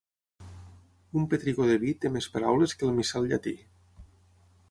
Un petricó de vi té més paraules que el missal llatí.